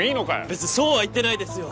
別にそうは言ってないですよ！